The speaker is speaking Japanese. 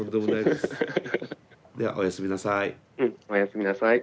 ではおやすみなさい。